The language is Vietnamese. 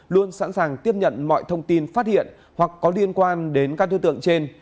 luôn sẵn sàng tiếp nhận mọi thông tin phát hiện hoặc có liên quan đến các đối tượng trên